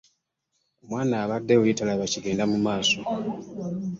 Omwana abadde luli talaba kigenda mu maaso.